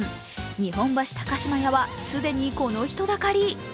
日本橋高島屋は既にこの人だかり。